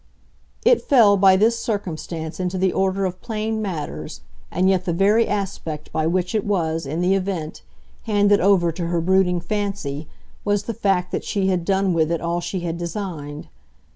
It fell by this circumstance into the order of plain matters, and yet the very aspect by which it was, in the event, handed over to her brooding fancy was the fact that she had done with it all she had designed.